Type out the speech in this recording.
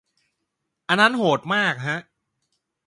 อันนั้นโหดมากฮะ